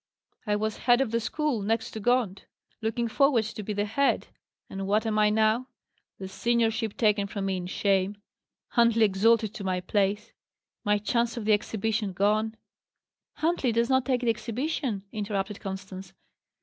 I was head of the school, next to Gaunt; looking forward to be the head; and what am I now? The seniorship taken from me in shame; Huntley exalted to my place; my chance of the exhibition gone " "Huntley does not take the exhibition," interrupted Constance.